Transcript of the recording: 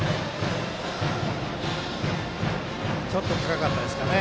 ちょっと高かったですね。